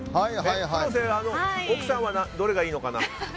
黒瀬奥さんは、どれがいいのかな。